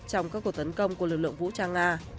trong các cuộc tấn công của lực lượng vũ trang nga